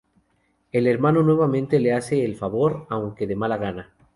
El hermano nuevamente le hace el favor, aunque de mala gana.